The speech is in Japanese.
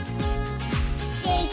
「シェイク！